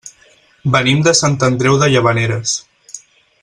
Venim de Sant Andreu de Llavaneres.